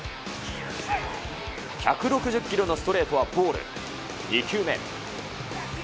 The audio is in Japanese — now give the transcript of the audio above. １６０キロのストレートはボール、２球目。